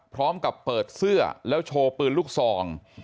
พร้อมกับเปิดเสื้อแล้วโชว์ปืนลูกซอง